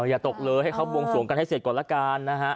อย่าตกเลยให้เขาบวงสวงกันให้เสร็จก่อนละกันนะฮะ